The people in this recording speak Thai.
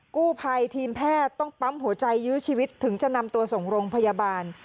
กู้ภัยทีมแพทย์ต้องปั๊มหัวใจยื้อชีวิตถึงจะนำตัวส่งโรงพยาบาล